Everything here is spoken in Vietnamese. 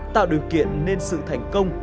tạo điều kiện nên sự thành công